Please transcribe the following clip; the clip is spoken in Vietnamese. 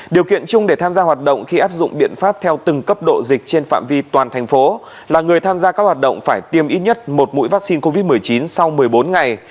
điều kiện chung để tham gia hoạt động khi áp dụng biện pháp theo từng cấp độ dịch trên phạm vi toàn thành phố là người tham gia các hoạt động phải tiêm ít nhất một mũi vaccine covid một mươi chín sau một mươi bốn ngày